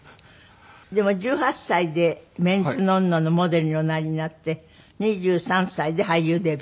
でも１８歳で『メンズノンノ』のモデルにおなりになって２３歳で俳優デビュー。